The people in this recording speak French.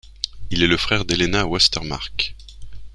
Il est le frère d'Helena Westermarck.